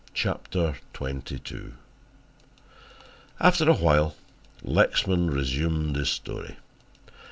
CHAPTER XXII After a while Lexman resumed his story.